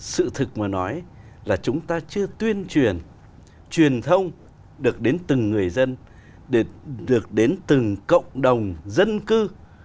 sự thực mà nói là chúng ta chưa tuyên truyền truyền thông được đến từng người dân được đến từng cộng đồng dân cư